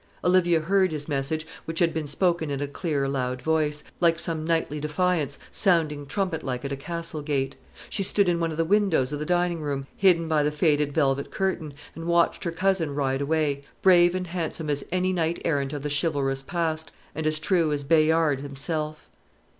Olivia heard his message, which had been spoken in a clear loud voice, like some knightly defiance, sounding trumpet like at a castle gate. She stood in one of the windows of the dining room, hidden by the faded velvet curtain, and watched her cousin ride away, brave and handsome as any knight errant of the chivalrous past, and as true as Bayard himself.